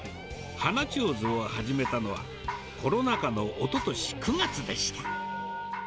花ちょうずを始めたのは、コロナ禍のおととし９月でした。